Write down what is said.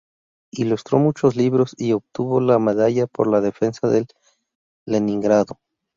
Ilustró muchos libros y obtuvo la Medalla por la Defensa de Leningrado.